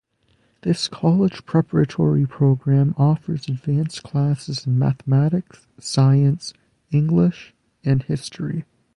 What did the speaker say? This college preparatory program offers advanced classes in mathematics, science, English, and history.